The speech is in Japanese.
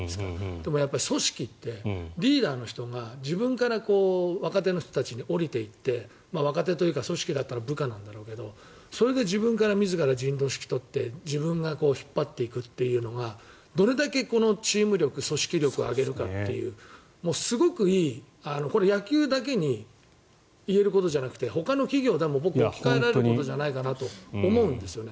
でも、組織ってリーダーの人が自分から若手の人たちに下りていって若手というか組織だったら部下なんだろうけどそれで自分から、自ら陣頭指揮を執って自分が引っ張っていくというのがどれだけチーム力、組織力を上げるかというすごくいい野球だけに言えることじゃなくてほかの企業でも僕、置き換えられることじゃないかなと思うんですね。